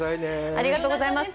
ありがとうございます。